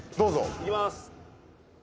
行きます。